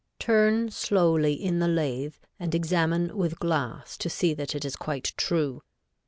Turn slowly in the lathe and examine with glass to see that it is quite true.